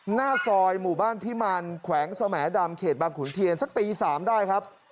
หน้าซอยหมู่บ้านพิมารแขวงสมดำเขตบางขุนเทียนสักตี๓ได้ครับ